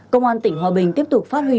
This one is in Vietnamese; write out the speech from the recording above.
công an tỉnh hòa bình tiếp tục phát huy